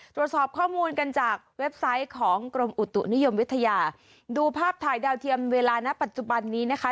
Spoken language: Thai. ตรวจสอบข้อมูลกันจากเว็บไซต์ของกรมอุตุนิยมวิทยาดูภาพถ่ายดาวเทียมเวลาณปัจจุบันนี้นะคะ